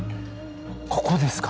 ここですか。